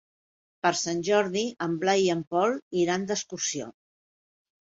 Per Sant Jordi en Blai i en Pol iran d'excursió.